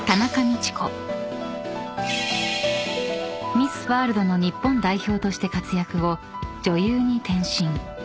［ミス・ワールドの日本代表として活躍後女優に転身］